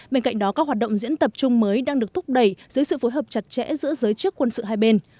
bên cạnh đó các hoạt động diễn tập chung mới đang được thúc đẩy dưới sự phối hợp chặt chẽ giữa giới chức quân sự hai bên